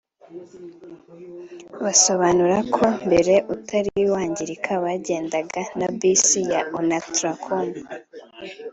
Basobanura ko mbere utari wangirika bagendaga na Bus ya Onatracom